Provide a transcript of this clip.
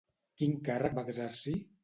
Quin càrrec va exercir?